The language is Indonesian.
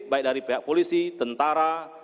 baik dari pihak polisi tentara